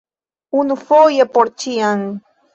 Unufoje por ĉiam!